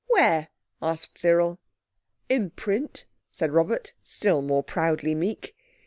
"Where?" asked Cyril. "In print," said Robert, still more proudly meek.